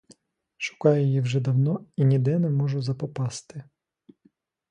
Шукаю її вже давно і ніде не можу запопасти.